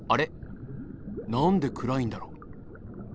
何で暗いんだろう。